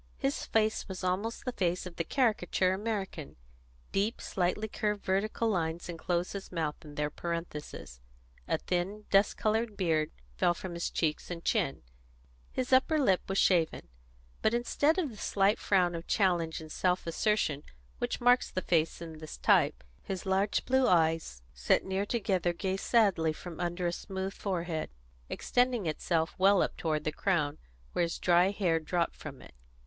His face was almost the face of the caricature American: deep, slightly curved vertical lines enclosed his mouth in their parenthesis; a thin, dust coloured beard fell from his cheeks and chin; his upper lip was shaven. But instead of the slight frown of challenge and self assertion which marks this face in the type, his large blue eyes, set near together, gazed sadly from under a smooth forehead, extending itself well up toward the crown, where his dry hair dropped over it.